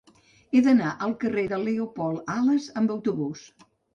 He d'anar al carrer de Leopoldo Alas amb autobús.